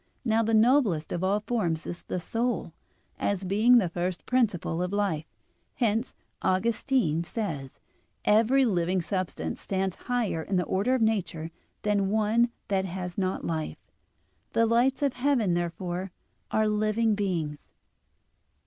Now the noblest of all forms is the soul, as being the first principle of life. Hence Augustine (De Vera Relig. xxix) says: "Every living substance stands higher in the order of nature than one that has not life." The lights of heaven, therefore, are living beings.